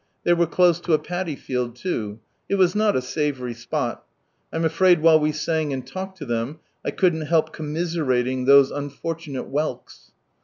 They were close to a paddy field, too.' It was not a savoury spot. I'm afraid while we sang and talked to them 1 cnuldn't help commiserating those unfortunate whelks.